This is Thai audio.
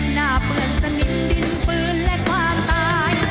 หน้าเปื้อนสนิทดินปืนและความตาย